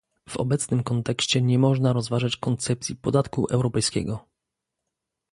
W obecnym kontekście nie można rozważać koncepcji podatku europejskiego